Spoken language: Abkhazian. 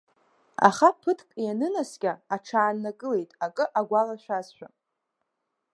Аха ԥыҭк ианынаскьа, аҽааннакылеит акы агәалашәазшәа.